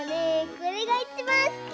これがいちばんすき！